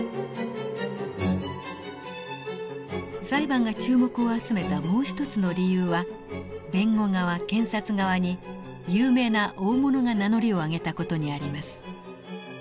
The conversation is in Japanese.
裁判が注目を集めたもう一つの理由は弁護側検察側に有名な大物が名乗りを上げた事にあります。